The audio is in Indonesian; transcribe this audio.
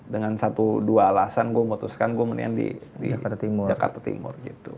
dengan satu dua alasan gue memutuskan gue mendingan di jakarta timur gitu